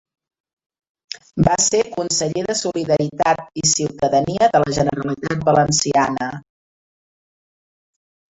Va ser conseller de Solidaritat i Ciutadania de la Generalitat Valenciana.